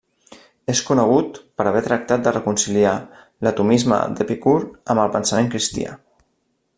És conegut per haver tractat de reconciliar l'atomisme d'Epicur amb el pensament cristià.